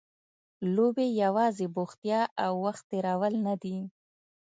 لوبې یوازې بوختیا او وخت تېرول نه دي.